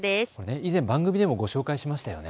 以前、番組でもご紹介しましたよね。